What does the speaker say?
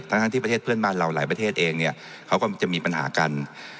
ทั้งที่ประเทศเพื่อนบ้านเราหลายประเทศเองเนี่ยเขาก็จะมีปัญหากัน